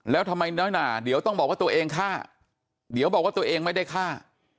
แล้วทำไมน้อยหนาเดี๋ยวต้องบอกว่าตัวเองฆ่าเดี๋ยวบอกว่าตัวเองไม่ได้ฆ่า